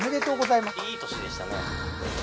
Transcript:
いい年でしたね。